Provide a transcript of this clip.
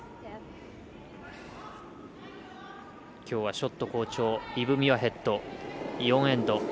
きょうはショット好調イブ・ミュアヘッド。